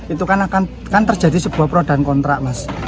itu kan akan terjadi sebuah pro dan kontra mas